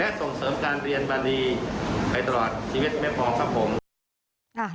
และส่งเสริมการเรียนมณีไปตลอดชีวิตไม่พอครับผม